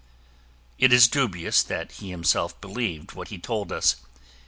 It is dubious that he himself believed what he told us.